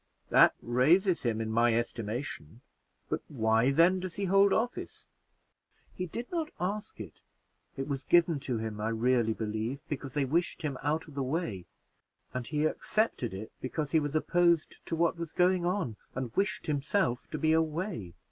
"That raises him in my estimation; but why then does he hold office?" "He did not ask it; it was given to him, I really believe, because they wished him out of the way; and he accepted it because he was opposed to what was going on, and wished himself to be away.